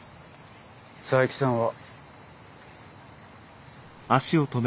佐伯さんは。